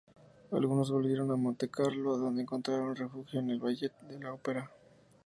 Algunos volvieron a Montecarlo donde encontraron refugio en el ballet de la Ópera.